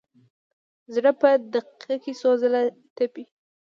زړه په دقیقه کې څو ځله تپي.